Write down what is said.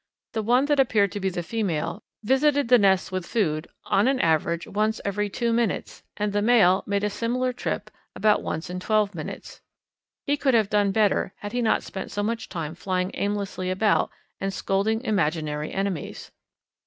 The one that appeared to be the female visited the nest with food on an average once every two minutes, and the male made a similar trip about once in twelve minutes. He could have done better had he not spent so much time flying aimlessly about and scolding imaginary enemies.